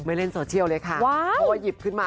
ไม่เล่นโซเชียลเลยค่ะ